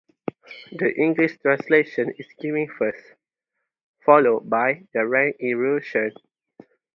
The English translation is given first, followed by the rank in Russian.